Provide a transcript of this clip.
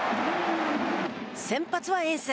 先発はエンス。